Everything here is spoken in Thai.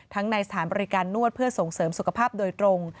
ทั้งในสถานบริการนวดเพื่อส่งเสริมศักดิ์ศัพท์โดยตรง